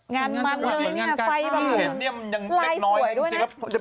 งานมันเลยไฟแบบนี้ยังมีไล่สวยด้วยนะ